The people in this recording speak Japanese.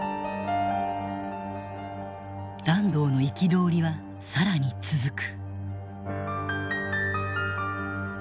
團藤の憤りは更に続く。